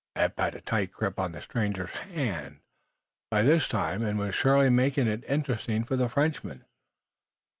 Eph had a tight grip on the stranger's hand, by this time, and was surely making it interesting for the Frenchman.